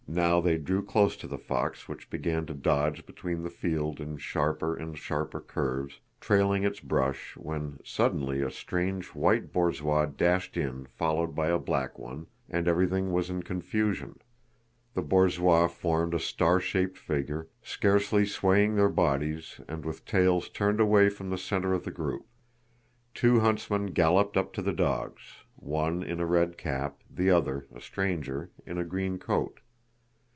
Now they drew close to the fox which began to dodge between the field in sharper and sharper curves, trailing its brush, when suddenly a strange white borzoi dashed in followed by a black one, and everything was in confusion; the borzois formed a star shaped figure, scarcely swaying their bodies and with tails turned away from the center of the group. Two huntsmen galloped up to the dogs; one in a red cap, the other, a stranger, in a green coat.